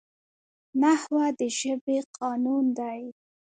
نحوه د ژبي قانون دئ.